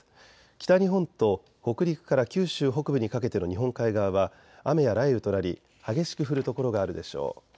北日本と北陸から九州北部にかけての日本海側は雨や雷雨となり激しく降る所があるでしょう。